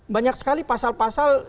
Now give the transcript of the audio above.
banyak sekali pasal pasal